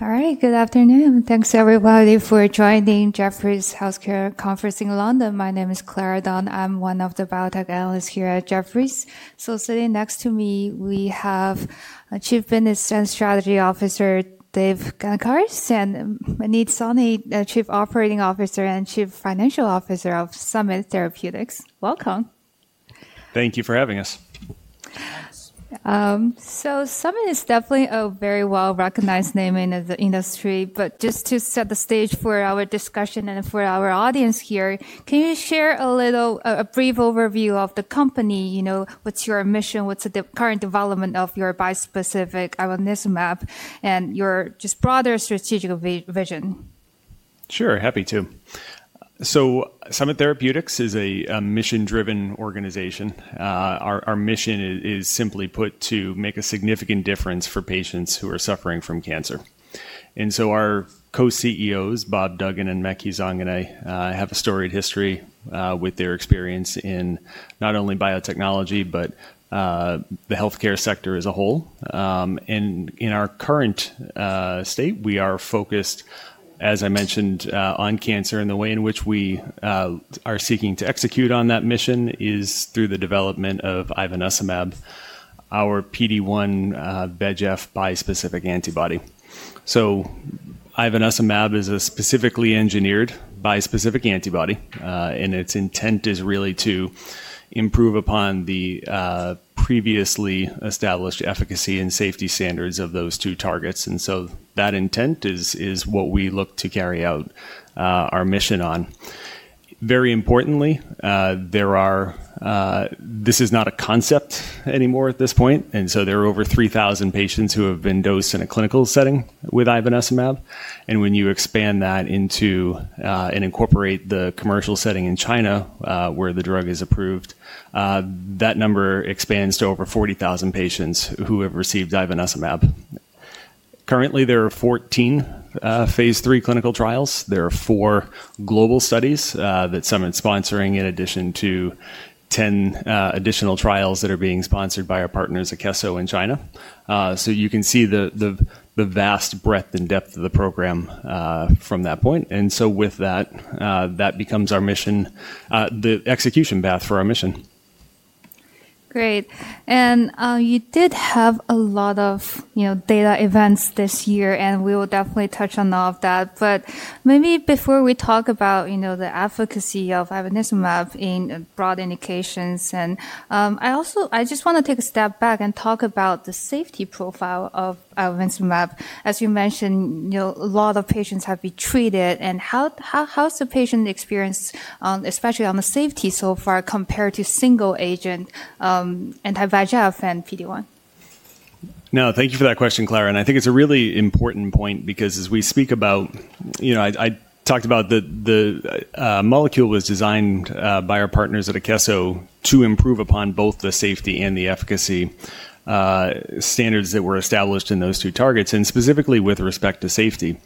All right, good afternoon. Thanks, everybody, for joining Jefferies Healthcare Conference in London. My name is Clara Dunn. I'm one of the biotech analysts here at Jefferies. So sitting next to me, we have Chief Business and Strategy Officer Dave Gancarz and Manmeet Soni, Chief Operating Officer and Chief Financial Officer of Summit Therapeutics. Welcome. Thank you for having us. Summit is definitely a very well-recognized name in the industry. But just to set the stage for our discussion and for our audience here, can you share a little, a brief overview of the company? You know, what's your mission? What's the current development of your bispecific ivonescimab and your just broader strategic vision? Sure, happy to. Summit Therapeutics is a mission-driven organization. Our mission is simply put to make a significant difference for patients who are suffering from cancer. Our co-CEOs, Bob Duggan and Maky Zanganeh, have a storied history with their experience in not only biotechnology, but the healthcare sector as a whole. In our current state, we are focused, as I mentioned, on cancer. The way in which we are seeking to execute on that mission is through the development of ivonescimab, our PD-1 VEGF bispecific antibody. ivonescimab is a specifically engineered bispecific antibody, and its intent is really to improve upon the previously established efficacy and safety standards of those two targets. That intent is what we look to carry out our mission on. Very importantly, this is not a concept anymore at this point. And so there are over 3,000 patients who have been dosed in a clinical setting with Ivanacimab. And when you expand that into and incorporate the commercial setting in China, where the drug is approved, that number expands to over 40,000 patients who have received Ivanacimab. Currently, there are 14 phase III clinical trials. There are four global studies that Summit's sponsoring, in addition to 10 additional trials that are being sponsored by our partners at Kesso in China. So you can see the vast breadth and depth of the program from that point. And so with that, that becomes our mission, the execution path for our mission. Great. And you did have a lot of data events this year, and we will definitely touch on all of that. But maybe before we talk about the efficacy of Ivanacimab in broad indications, I also just want to take a step back and talk about the safety profile of Ivanacimab. As you mentioned, a lot of patients have been treated. And how's the patient experience, especially on the safety so far, compared to single-agent anti-VEGF and PD-1? No, thank you for that question, Clara. I think it's a really important point because as we speak about, you know, I talked about the molecule was designed by our partners at Akeso to improve upon both the safety and the efficacy standards that were established in those two targets, and specifically with respect to safety.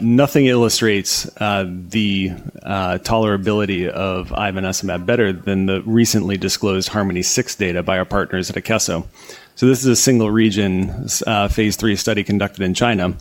Nothing illustrates the tolerability of ivonescimab better than the recently disclosed HARMONi-6 data by our partners at Akeso. So this is a single-region phase three study conducted in China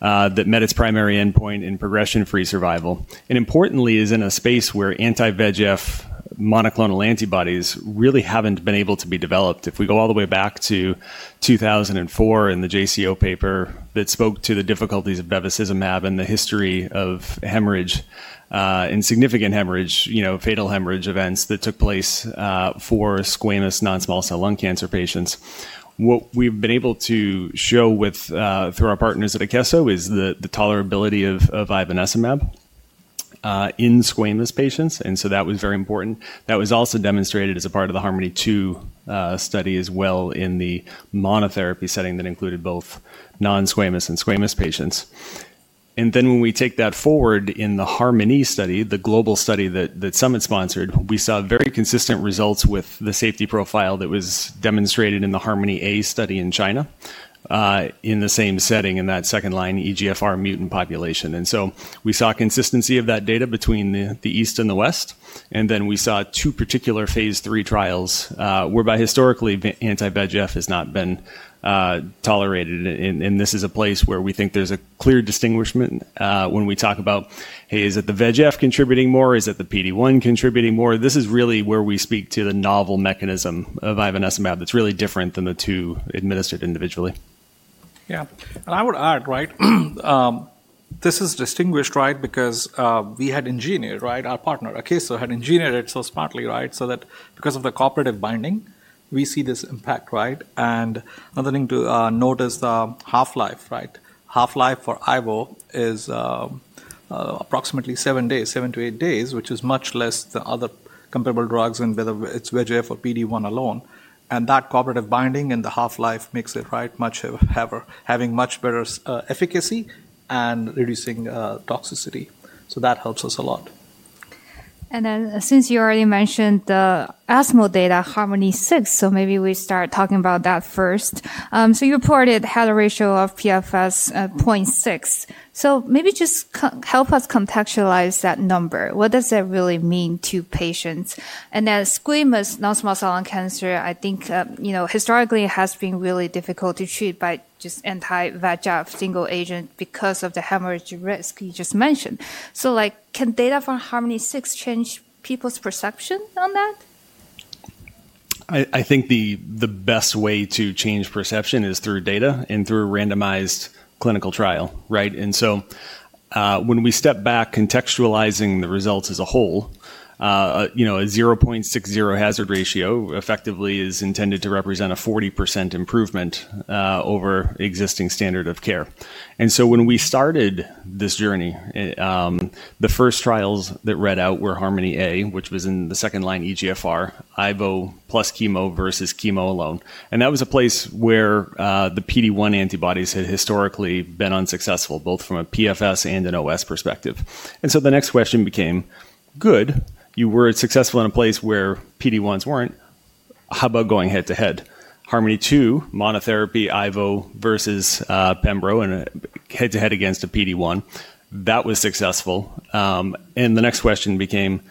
that met its primary endpoint in progression-free survival. Importantly, it is in a space where anti-VEGF monoclonal antibodies really haven't been able to be developed. If we go all the way back to 2004 and the JCO paper that spoke to the difficulties of bevacizumab and the history of hemorrhage, and significant hemorrhage, you know, fatal hemorrhage events that took place for squamous non-small cell lung cancer patients, what we've been able to show through our partners at Kesso is the tolerability of IvanaciMab in squamous patients. And so that was very important. That was also demonstrated as a part of the Harmony 2 study as well in the monotherapy setting that included both non-squamous and squamous patients. And then when we take that forward in the Harmony study, the global study that Summit sponsored, we saw very consistent results with the safety profile that was demonstrated in the Harmony A study in China in the same setting in that second line EGFR mutant population. And so we saw consistency of that data between the East and the West. And then we saw two particular phase three trials whereby historically anti-VEGF has not been tolerated. And this is a place where we think there's a clear distinguishment when we talk about, hey, is it the VEGF contributing more? Is it the PD-1 contributing more? This is really where we speak to the novel mechanism of Ivanacmab that's really different than the two administered individually. Yeah, and I would add, right, this is distinguished, right, because we had engineered, right, our partner, Akeso, had engineered it so smartly, right, so that because of the cooperative binding, we see this impact, right? And another thing to note is the half-life, right? Half-life for IVO is approximately seven days, seven to eight days, which is much less than other comparable drugs and whether it's VEGF or PD-1 alone. And that cooperative binding and the half-life makes it, right, much heavier, having much better efficacy and reducing toxicity. So that helps us a lot. Since you already mentioned the ESMO data, HARMONi-6, perhaps we start talking about that first. You reported a higher ratio of PFS 0.6. Perhaps just help us contextualize that number. What does that really mean to patients? Squamous non-small cell lung cancer, I think, you know, historically has been really difficult to treat by just anti-VEGF single agent because of the hemorrhage risk you just mentioned. Can data from HARMONi-6 change people's perception on that? I think the best way to change perception is through data and through a randomized clinical trial, right? So when we step back, contextualizing the results as a whole, you know, a 0.60 hazard ratio effectively is intended to represent a 40% improvement over existing standard of care. When we started this journey, the first trials that read out were HARMONi-A, which was in the second line EGFR, ivonescimab plus chemo versus chemo alone. That was a place where the PD-1 antibodies had historically been unsuccessful, both from a PFS and an OS perspective. So the next question became, good, you were successful in a place where PD-1s weren't, how about going head to head? HARMONi-2, monotherapy ivonescimab versus pembrolizumab and head to head against a PD-1, that was successful. And the next question became,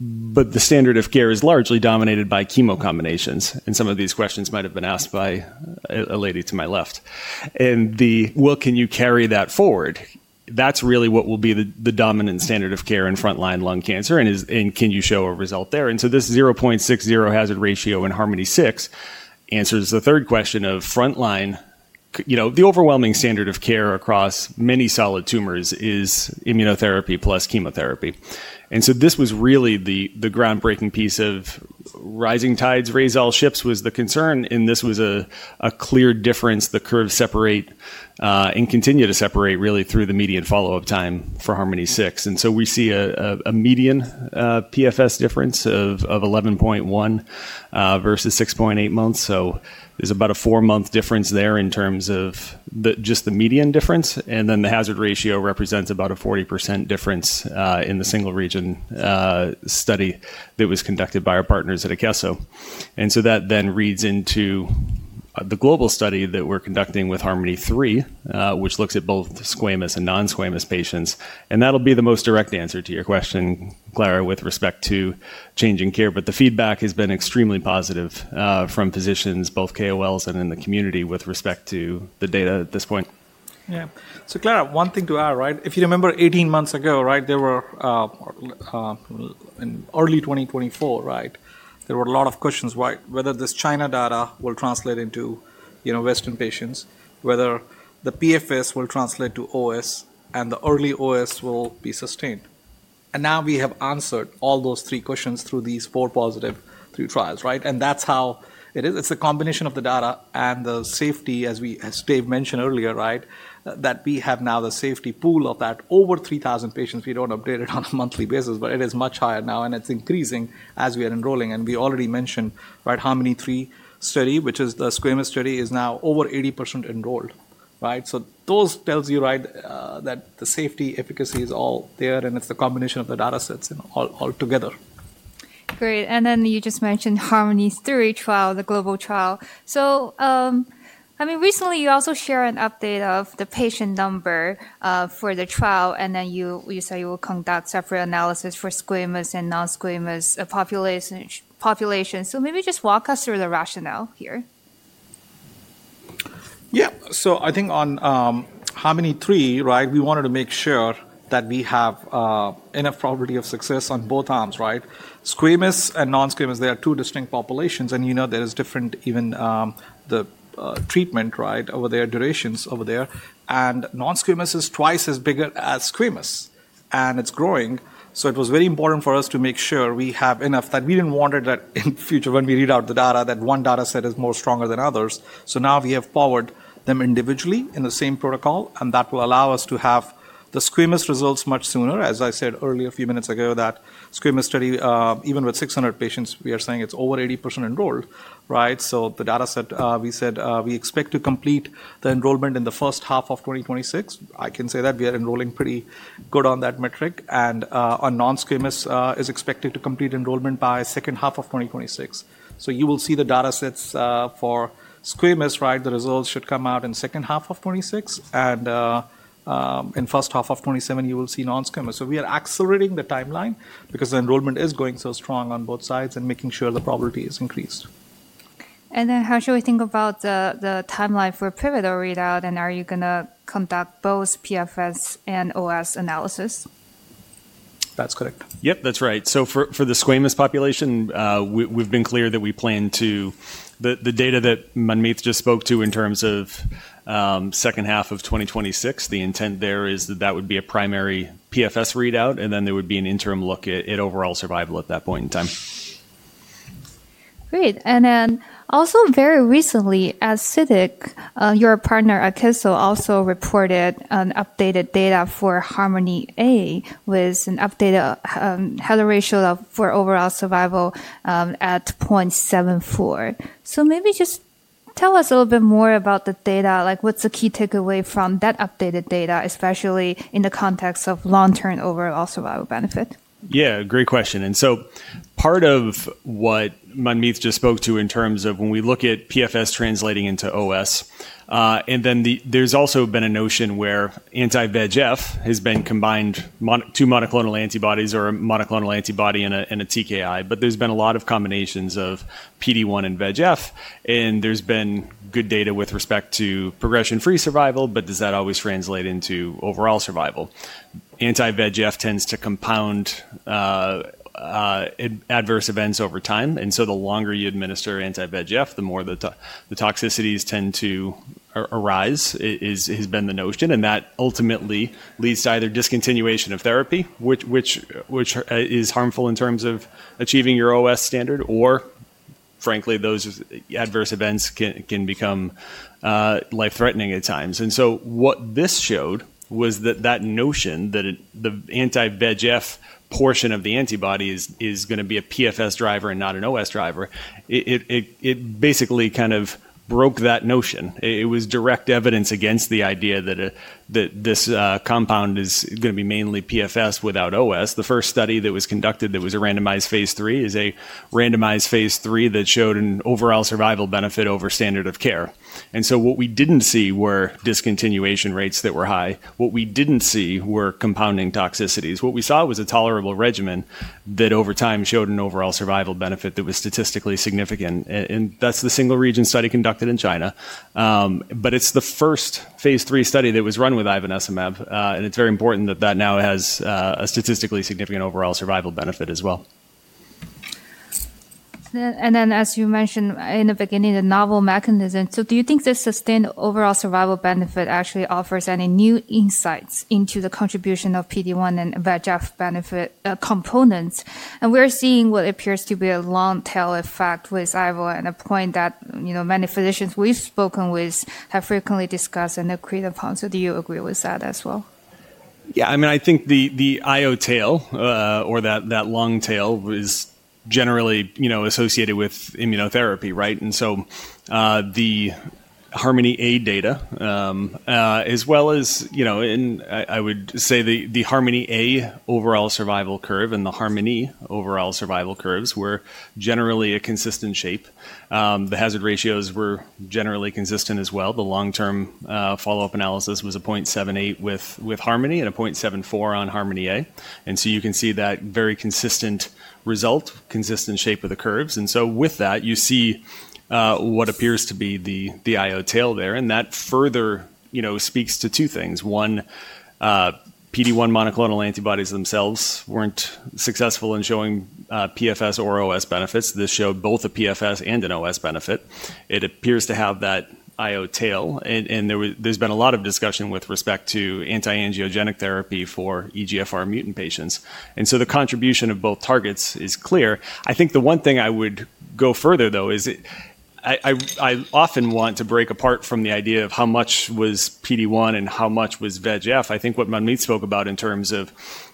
but the standard of care is largely dominated by chemo combinations. And some of these questions might have been asked by a lady to my left. And the, well, can you carry that forward? That's really what will be the dominant standard of care in frontline lung cancer. And can you show a result there? And so this 0.60 hazard ratio in Harmony 6 answers the third question of frontline, you know, the overwhelming standard of care across many solid tumors is immunotherapy plus chemotherapy. And so this was really the groundbreaking piece of rising tides raise all ships was the concern. And this was a clear difference, the curve separate and continue to separate really through the median follow-up time for Harmony 6. And so we see a median PFS difference of 11.1 versus 6.8 months. So there's about a four-month difference there in terms of just the median difference. And then the hazard ratio represents about a 40% difference in the single region study that was conducted by our partners at Kesso. And so that then reads into the global study that we're conducting with Harmony 3, which looks at both squamous and non-squamous patients. And that'll be the most direct answer to your question, Clara, with respect to changing care. But the feedback has been extremely positive from physicians, both KOLs and in the community with respect to the data at this point. Yeah. So Clara, one thing to add, right? If you remember 18 months ago, right, there were in early 2024, right, there were a lot of questions whether this China data will translate into, you know, Western patients, whether the PFS will translate to OS and the early OS will be sustained. And now we have answered all those three questions through these four positive trials, right? And that's how it is. It's a combination of the data and the safety, as Dave mentioned earlier, right, that we have now the safety pool of that over 3,000 patients. We don't update it on a monthly basis, but it is much higher now. And it's increasing as we are enrolling. And we already mentioned, right, Harmony 3 study, which is the squamous study, is now over 80% enrolled, right? So those tell you, right, that the safety efficacy is all there. And it's the combination of the data sets altogether. Great. And then you just mentioned Harmony 3 trial, the global trial. So I mean, recently you also shared an update of the patient number for the trial. And then you said you will conduct separate analysis for squamous and non-squamous populations. So maybe just walk us through the rationale here. Yeah. So I think on Harmony 3, right, we wanted to make sure that we have enough probability of success on both arms, right? Squamous and non-squamous, they are two distinct populations. And you know, there is different even the treatment, right, over their durations over there. And non-squamous is twice as bigger as squamous. And it's growing. So it was very important for us to make sure we have enough that we didn't want it that in future when we read out the data that one data set is more stronger than others. So now we have powered them individually in the same protocol. And that will allow us to have the squamous results much sooner. As I said earlier a few minutes ago, that squamous study, even with 600 patients, we are saying it's over 80% enrolled, right? So the data set, we said we expect to complete the enrollment in the first half of 2026. I can say that we are enrolling pretty good on that metric. And on non-squamous, it is expected to complete enrollment by second half of 2026. So you will see the data sets for squamous, right? The results should come out in second half of 2026. And in first half of 2027, you will see non-squamous. So we are accelerating the timeline because the enrollment is going so strong on both sides and making sure the probability is increased. And then how should we think about the timeline for pivotal readout? And are you going to conduct both PFS and OS analysis? That's correct. Yep, that's right. So for the squamous population, we've been clear that we plan to the data that Manmeet just spoke to in terms of second half of 2026, the intent there is that that would be a primary PFS readout. And then there would be an interim look at overall survival at that point in time. Great. And then also very recently, as CIDIC, your partner at Kesso also reported an updated data for Harmony A with an updated health ratio for overall survival at 0.74. So maybe just tell us a little bit more about the data. Like what's the key takeaway from that updated data, especially in the context of long-term overall survival benefit? Yeah, great question. And so part of what Manmeet just spoke to in terms of when we look at PFS translating into OS, and then there's also been a notion where anti-VEGF has been combined to monoclonal antibodies or a monoclonal antibody and a TKI. But there's been a lot of combinations of PD-1 and VEGF. And there's been good data with respect to progression-free survival. But does that always translate into overall survival? Anti-VEGF tends to compound adverse events over time. And so the longer you administer anti-VEGF, the more the toxicities tend to arise has been the notion. And that ultimately leads to either discontinuation of therapy, which is harmful in terms of achieving your OS standard, or frankly, those adverse events can become life-threatening at times. And so what this showed was that that notion that the anti-VEGF portion of the antibody is going to be a PFS driver and not an OS driver, it basically kind of broke that notion. It was direct evidence against the idea that this compound is going to be mainly PFS without OS. The first study that was conducted that was a randomized phase three is a randomized phase three that showed an overall survival benefit over standard of care. And so what we didn't see were discontinuation rates that were high. What we didn't see were compounding toxicities. What we saw was a tolerable regimen that over time showed an overall survival benefit that was statistically significant. And that's the single region study conducted in China. But it's the first phase three study that was run with Ivanacimab. And it's very important that that now has a statistically significant overall survival benefit as well. And then as you mentioned in the beginning, the novel mechanism. So do you think this sustained overall survival benefit actually offers any new insights into the contribution of PD-1 and VEGF benefit components? And we're seeing what appears to be a long tail effect with IVO and a point that, you know, many physicians we've spoken with have frequently discussed and agreed upon. So do you agree with that as well? Yeah, I mean, I think the IO tail or that long tail is generally, you know, associated with immunotherapy, right? And so the Harmony A data, as well as, you know, I would say the Harmony A overall survival curve and the Harmony overall survival curves were generally a consistent shape. The hazard ratios were generally consistent as well. The long-term follow-up analysis was a 0.78 with Harmony and a 0.74 on Harmony A. And so you can see that very consistent result, consistent shape of the curves. And so with that, you see what appears to be the IO tail there. And that further, you know, speaks to two things. One, PD-1 monoclonal antibodies themselves weren't successful in showing PFS or OS benefits. This showed both a PFS and an OS benefit. It appears to have that IO tail. And there's been a lot of discussion with respect to anti-angiogenic therapy for EGFR mutant patients. And so the contribution of both targets is clear. I think the one thing I would go further though is I often want to break apart from the idea of how much was PD-1 and how much was VEGF. I think what Manmeet spoke about in terms of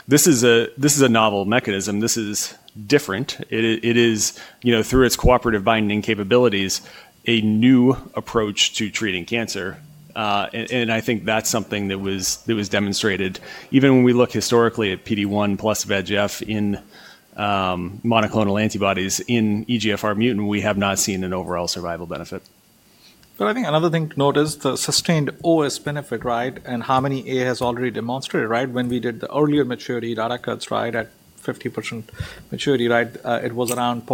this is a novel mechanism. This is different. It is, you know, through its cooperative binding capabilities, a new approach to treating cancer. And I think that's something that was demonstrated. Even when we look historically at PD-1 plus VEGF in monoclonal antibodies in EGFR mutant, we have not seen an overall survival benefit. But I think another thing to note is the sustained OS benefit, right? And Harmony A has already demonstrated, right? When we did the earlier maturity data cuts, right? At 50% maturity, right? It was around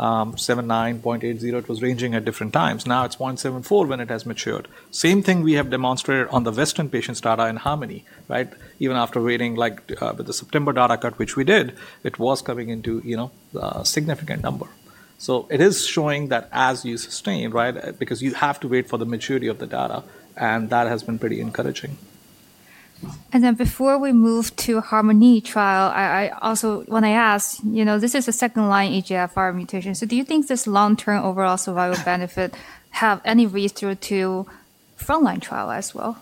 0.79, 0.80. It was ranging at different times. Now it's 0.74 when it has matured. Same thing we have demonstrated on the Western patients' data in Harmony, right? Even after waiting like with the September data cut, which we did, it was coming into, you know, a significant number. So it is showing that as you sustain, right? Because you have to wait for the maturity of the data. And that has been pretty encouraging. And then before we move to Harmony trial, I also want to ask, you know, this is a second line EGFR mutation. So do you think this long-term overall survival benefit has any reason to frontline trial as well?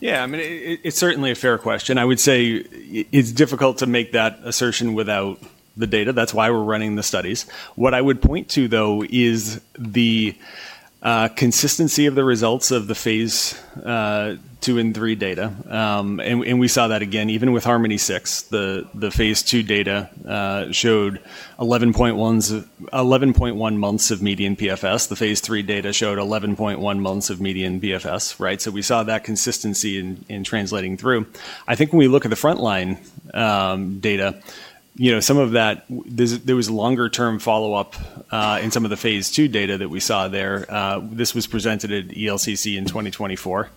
Yeah, I mean, it's certainly a fair question. I would say it's difficult to make that assertion without the data. That's why we're running the studies. What I would point to though is the consistency of the results of the phase II and III data. And we saw that again, even with Harmony 6, the phase II data showed 11.1 months of median PFS. The phase III data showed 11.1 months of median BFS, right? So we saw that consistency in translating through. I think when we look at the frontline data, you know, some of that, there was longer-term follow-up in some of the phase II data that we saw there. This was presented at ELCC in 2024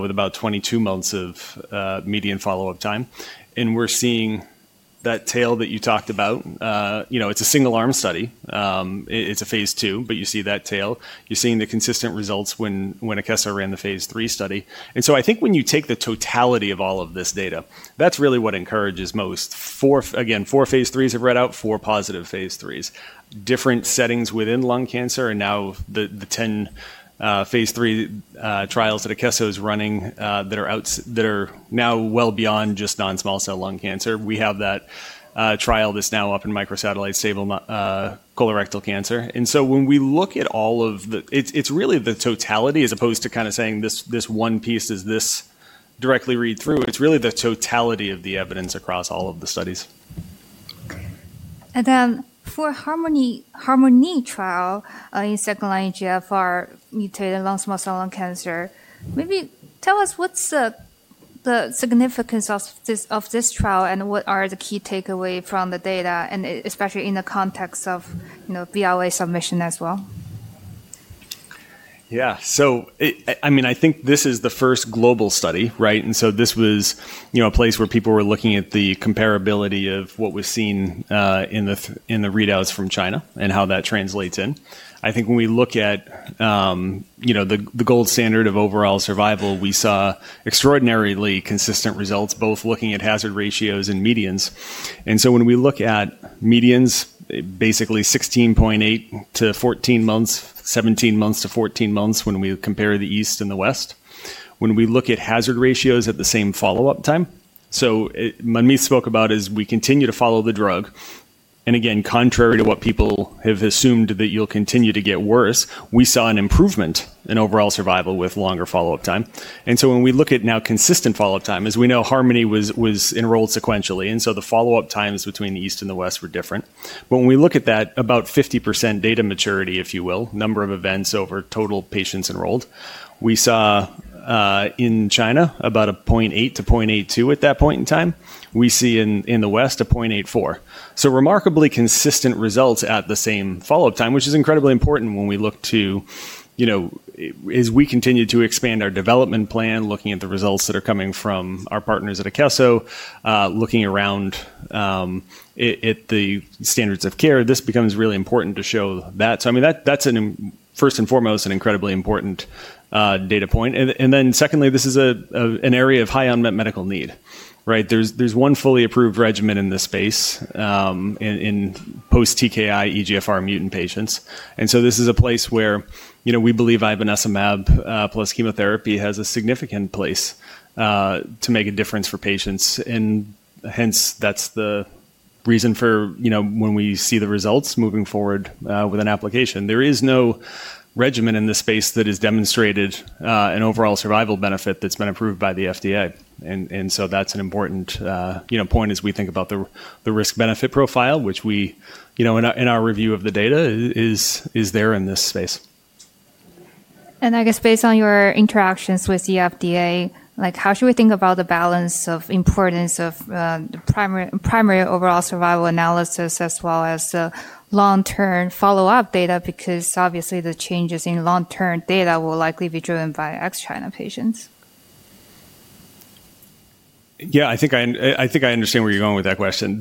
with about 22 months of median follow-up time. And we're seeing that tail that you talked about. You know, it's a single arm study. It's a phase II, but you see that tail. You're seeing the consistent results when Akeso ran the phase three study. And so I think when you take the totality of all of this data, that's really what encourages most. Again, four phase III have read out, four positive phase IIIs. Different settings within lung cancer and now the 10 phase three trials that Akeso is running that are now well beyond just non-small cell lung cancer. We have that trial that's now up in microsatellite stable colorectal cancer. And so when we look at all of the, it's really the totality as opposed to kind of saying this one piece is this directly read through. It's really the totality of the evidence across all of the studies. And then for Harmony trial in second line EGFR mutated non-small cell lung cancer, maybe tell us what's the significance of this trial and what are the key takeaways from the data and especially in the context of, you know, BIOA submission as well? Yeah. So I mean, I think this is the first global study, right? And so this was, you know, a place where people were looking at the comparability of what was seen in the readouts from China and how that translates in. I think when we look at, you know, the gold standard of overall survival, we saw extraordinarily consistent results both looking at hazard ratios and medians. And so when we look at medians, basically 16.8 to 14 months, 17 months to 14 months when we compare the east and the west, when we look at hazard ratios at the same follow-up time. So Manmeet spoke about as we continue to follow the drug. And again, contrary to what people have assumed that you'll continue to get worse, we saw an improvement in overall survival with longer follow-up time. And so when we look at now consistent follow-up time, as we know, Harmony was enrolled sequentially. And so the follow-up times between the east and the west were different. But when we look at that, about 50% data maturity, if you will, number of events over total patients enrolled, we saw in China about a 0.8 - 0.82 at that point in time. We see in the west a 0.84. So remarkably consistent results at the same follow-up time, which is incredibly important when we look to, you know, as we continue to expand our development plan, looking at the results that are coming from our partners at Akeso, looking around at the standards of care, this becomes really important to show that. So I mean, that's first and foremost an incredibly important data point. And then secondly, this is an area of high unmet medical need, right? There's one fully approved regimen in this space in post-TKI EGFR mutant patients. And so this is a place where, you know, we believe Ivanacimab plus chemotherapy has a significant place to make a difference for patients. And hence, that's the reason for, you know, when we see the results moving forward with an application. There is no regimen in this space that has demonstrated an overall survival benefit that's been approved by the FDA. And so that's an important, you know, point as we think about the risk-benefit profile, which we, you know, in our review of the data is there in this space. And I guess based on your interactions with the FDA, like how should we think about the balance of importance of the primary overall survival analysis as well as the long-term follow-up data? Because obviously the changes in long-term data will likely be driven by ex-China patients. Yeah, I think I understand where you're going with that question.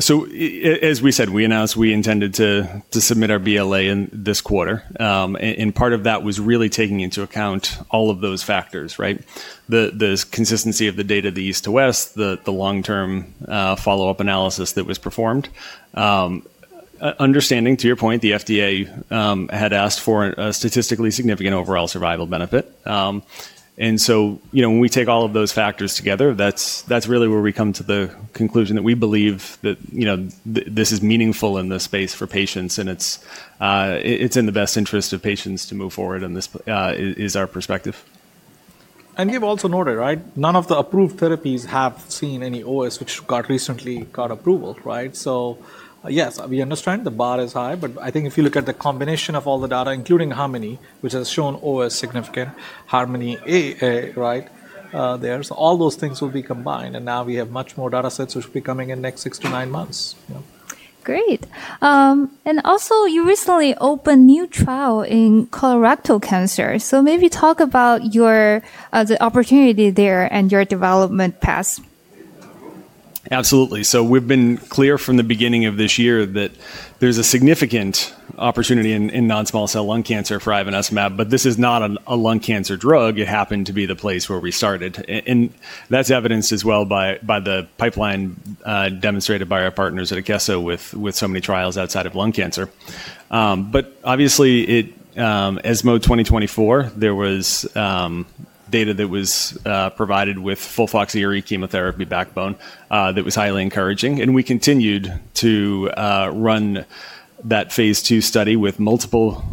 So as we said, we announced we intended to submit our BLA in this quarter. And part of that was really taking into account all of those factors, right? The consistency of the data the east to west, the long-term follow-up analysis that was performed. Understanding to your point, the FDA had asked for a statistically significant overall survival benefit. And so, you know, when we take all of those factors together, that's really where we come to the conclusion that we believe that, you know, this is meaningful in this space for patients and it's in the best interest of patients to move forward and this is our perspective. And you've also noted, right? None of the approved therapies have seen any OS, which got recently got approval, right? So yes, we understand the bar is high, but I think if you look at the combination of all the data, including Harmony, which has shown OS significant, Harmony A, right? There. So all those things will be combined and now we have much more data sets which will be coming in the next six to nine months. Great. And also you recently opened a new trial in colorectal cancer. So maybe talk about your opportunity there and your development path. Absolutely. So we've been clear from the beginning of this year that there's a significant opportunity in non-small cell lung cancer for Ivanacimab, but this is not a lung cancer drug. It happened to be the place where we started. And that's evidenced as well by the pipeline demonstrated by our partners at Akeso with so many trials outside of lung cancer. But obviously at ESMO 2024, there was data that was provided with FOLFOXIRI chemotherapy backbone that was highly encouraging. And we continued to run that phase two study with multiple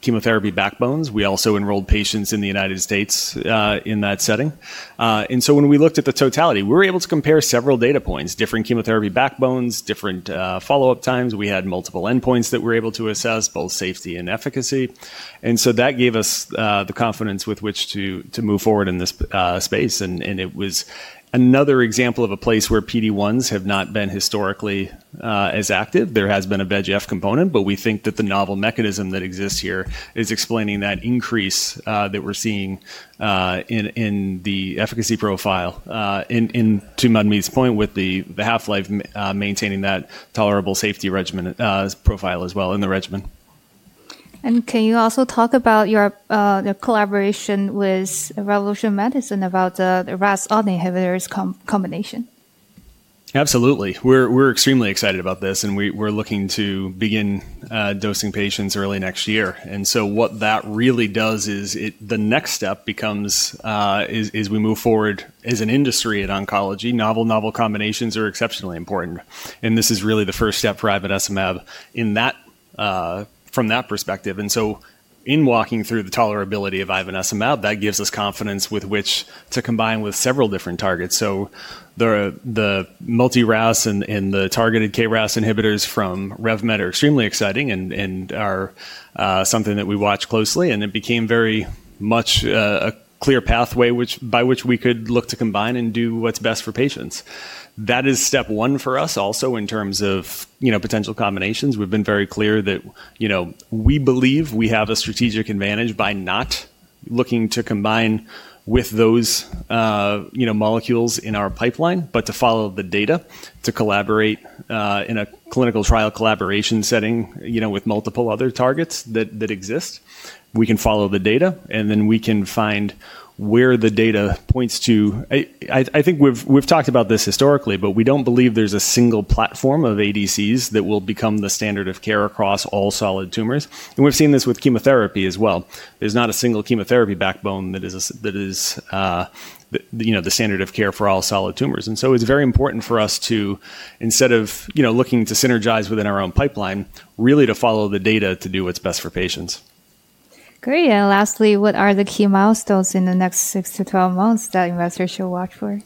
chemotherapy backbones. We also enrolled patients in the United States in that setting. And so when we looked at the totality, we were able to compare several data points, different chemotherapy backbones, different follow-up times. We had multiple endpoints that we were able to assess, both safety and efficacy. And so that gave us the confidence with which to move forward in this space. And it was another example of a place where PD-1s have not been historically as active. There has been a VEGF component, but we think that the novel mechanism that exists here is explaining that increase that we're seeing in the efficacy profile to Manmeet's point with the half-life maintaining that tolerable safety regimen profile as well in the regimen. And can you also talk about your collaboration with Revolution Medicine about the RAS on inhibitors combination? Absolutely. We're extremely excited about this and we're looking to begin dosing patients early next year. And so what that really does is the next step becomes as we move forward as an industry in oncology, novel novel combinations are exceptionally important. And this is really the first step for Ivanacimab from that perspective. And so in walking through the tolerability of Ivanacimab, that gives us confidence with which to combine with several different targets. So the multi-RAS and the targeted KRAS inhibitors from RevMed are extremely exciting and are something that we watch closely. And it became very much a clear pathway by which we could look to combine and do what's best for patients. That is step one for us also in terms of, you know, potential combinations. We've been very clear that, you know, we believe we have a strategic advantage by not looking to combine with those, you know, molecules in our pipeline, but to follow the data to collaborate in a clinical trial collaboration setting, you know, with multiple other targets that exist. We can follow the data and then we can find where the data points to. I think we've talked about this historically, but we don't believe there's a single platform of ADCs that will become the standard of care across all solid tumors. And we've seen this with chemotherapy as well. There's not a single chemotherapy backbone that is, you know, the standard of care for all solid tumors. And so it's very important for us to, instead of, you know, looking to synergize within our own pipeline, really to follow the data to do what's best for patients. Great. And lastly, what are the key milestones in the next 6 - 12 months that investors should watch for?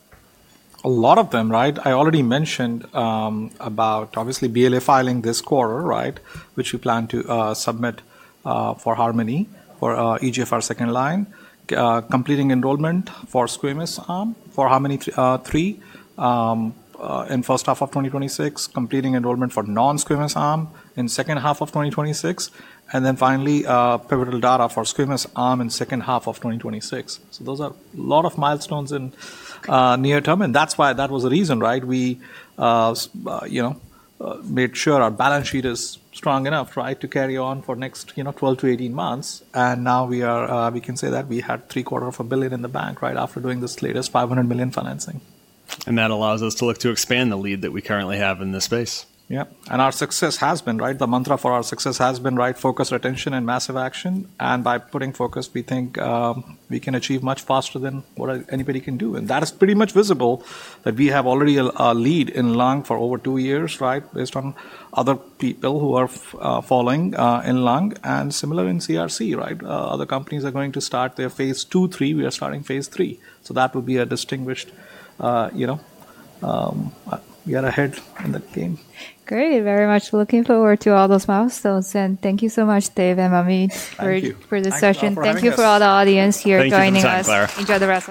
A lot of them, right? I already mentioned about obviously BLA filing this quarter, right? Which we plan to submit for Harmony for EGFR 2nd line, completing enrollment for squamous arm for Harmony 3 in 1st half of 2026, completing enrollment for non-squamous arm in 2nd half of 2026, and then finally pivotal data for squamous arm in 2nd half of 2026. So those are a lot of milestones in near term. And that's why that was the reason, right? We, you know, made sure our balance sheet is strong enough, right, to carry on for next, you know, 12 - 18 months. And now we are, we can say that we had $750,000,000 in the bank, right, after doing this latest $500 million financing. And that allows us to look to expand the lead that we currently have in this space. Yeah. And our success has been, right? The mantra for our success has been, right, focus, retention, and massive action. And by putting focus, we think we can achieve much faster than what anybody can do. And that is pretty much visible that we have already a lead in lung for over two years, right, based on other people who are following in lung and similar in CRC, right? Other companies are going to start their phase II, III. We are starting phase III. So that would be a distinguished, you know, we are ahead in the game. Great. Very much looking forward to all those milestones. And thank you so much, Dave and Manmeet, for this session. Thank you for all the audience here joining us. Thank you, Jack Clark. Enjoy the rest.